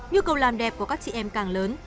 nhu cầu làm đẹp của các chị em càng lớn